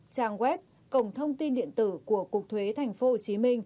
trang web cổng thông tin điện tử của cục thuế tp hcm